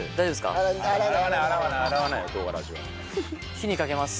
火にかけます。